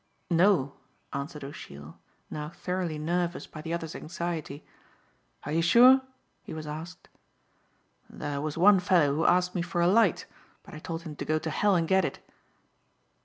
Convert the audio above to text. "No," answered O'Sheill, now thoroughly nervous by the other's anxiety. "Are you sure?" he was asked. "There was one fellow who asked me for a light, but I told him to go to hell and get it."